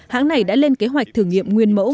hãng này đã lên kế hoạch thử nghiệm nguyên mẫu